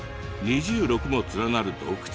２６も連なる洞窟。